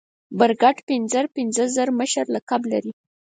برګډ پنځر پنځه زر مشر لقب لري.